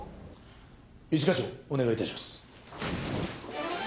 一課長お願い致します。